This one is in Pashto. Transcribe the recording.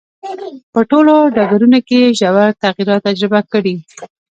په ټولو ډګرونو کې یې ژور تغییرات تجربه کړي.